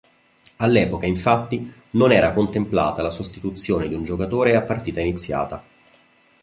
All'epoca infatti, non era contemplata la sostituzione di un giocatore a partita iniziata.